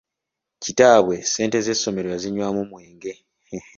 Kitaabwe ssente z’essomero yazinywangamu mwenge.